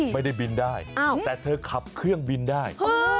ไม่ได้บินได้แต่เธอขับเครื่องบินได้